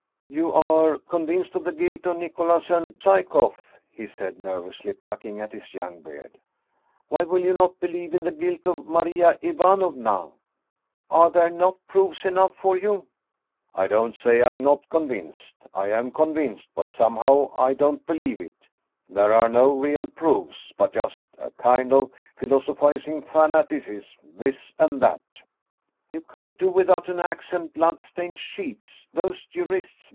" You are convinced of the guilt of Nicholas and Psye koff," he said, nervously plucking at his young beard. " Why will you not believe in the guilt of Maria Ivanovna ? Are there not proofs enough for you ?"" I don't say I am not convinced. I am convinced, but somehow I don't believe it ! There are no real proofs, but just a kind of philosophizing fanaticism, this and that "" You can't do without an ax and bloodstained sheets. Those jurists!